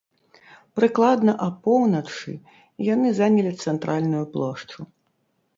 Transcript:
Прыкладна апоўначы яны занялі цэнтральную плошчу.